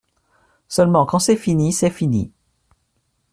Seulement, quand c'est fini, c'est fini.